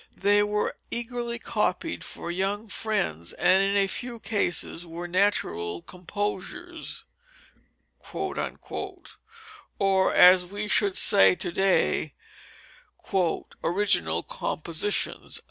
They were eagerly copied for young friends, and, in a few cases, were "natural composures" or, as we should say to day, "original compositions."